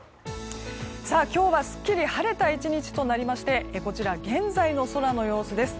今日はすっきり晴れた１日となりましてこちら、現在の空の様子です。